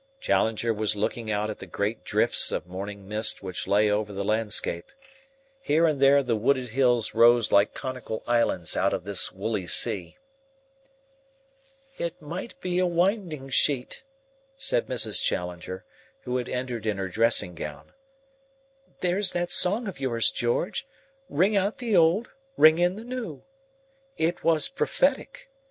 Challenger was looking out at the great drifts of morning mist which lay over the landscape. Here and there the wooded hills rose like conical islands out of this woolly sea. "It might be a winding sheet," said Mrs. Challenger, who had entered in her dressing gown. "There's that song of yours, George, 'Ring out the old, ring in the new.' It was prophetic.